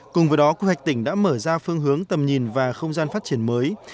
cùng với đó quy hoạch tỉnh đã mở ra phương hướng tầm nhìn và không gian phát triển mới